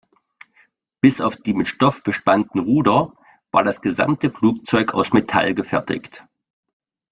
Bis auf die mit Stoff bespannten Ruder war das gesamte Flugzeug aus Metall gefertigt.